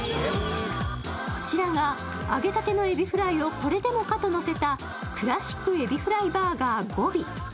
こちらが揚げたてのエビフライをこれでもかとのせたクラシック海老フライバーガー五尾。